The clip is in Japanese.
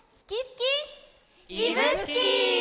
いぶすき！